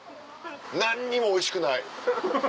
何にもおいしくない。